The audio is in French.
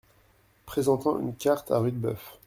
Présentant une carte à Rudebeuf.